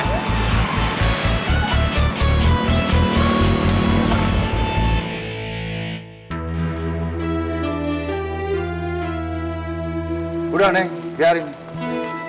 udah neng biarin nih